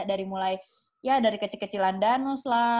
dari mulai ya dari kecil kecilan danus lah